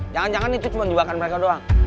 jangan jangan itu cuma jebakan mereka doang